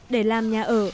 để làm nhà ở